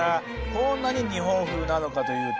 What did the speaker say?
こんなに日本風なのかというと。